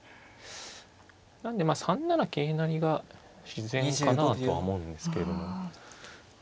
なんで３七桂成が自然かなとは思うんですけども。